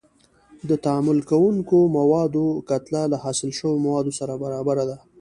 د تعامل کوونکو موادو کتله له حاصل شویو موادو سره برابره ده.